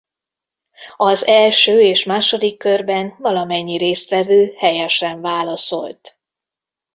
Az első és második körben valamennyi résztvevő helyesen válaszolt.